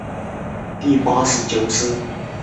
雄性的尾巴明显比雌性长。